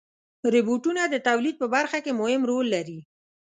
روبوټونه د تولید په برخه کې مهم رول لري.